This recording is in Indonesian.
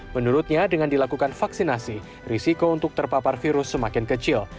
menurutnya dengan dilakukan vaksinasi risiko untuk terpapar virus semakin kecil